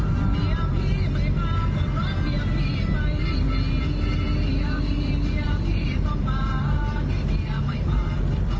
คุณลุงขับรถตู้แล้วลองไปดูค่ะ